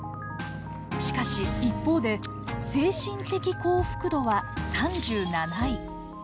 しかし一方で精神的幸福度は３７位。